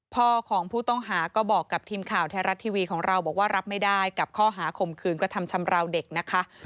พ่อของผู้ต้องหาก็บอกกับทีมข่าวไทยรัฐทีวีของเราบอกว่ารับไม่ได้กับข้อหาข่มขืนกระทำชำราวเด็กนะคะ